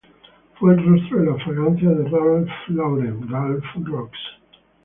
Fue el rostro de la fragancia de Ralph Lauren, Ralph Rocks.